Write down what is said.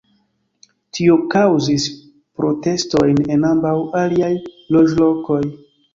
Tio kaŭzis protestojn en ambaŭ aliaj loĝlokoj.